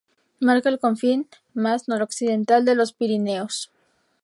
Marca el confín más noroccidental de los Pirineos.